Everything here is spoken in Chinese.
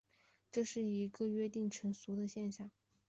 这是一个约定俗成的现像。